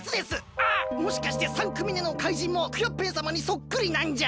あっもしかして３くみめの怪人もクヨッペンさまにそっくりなんじゃ？